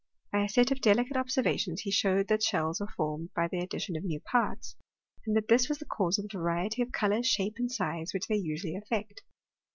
By a set of delicate observa tions he showed that shells are formed by the addition of new parts, and that this was the cause of the variety of colour, shape, and size which they usually affect.